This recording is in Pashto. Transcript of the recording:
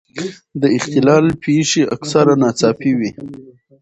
د اختلال پېښې اکثره ناڅاپي وي.